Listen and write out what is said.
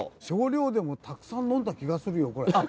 少量でもたくさん飲んだ気がするよこれ。